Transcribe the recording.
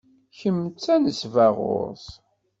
Kemm d tanesbaɣurt.